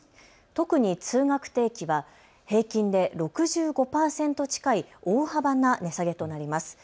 特に通学定期は平均で６５％近い大幅な値下げとなります。